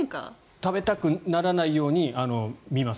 食べたくならないように見ます。